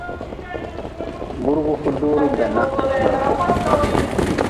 Burgu ku dori bana ma reku.